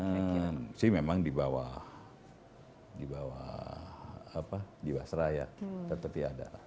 saya kira memang di bawah jiwasraya tetapi ada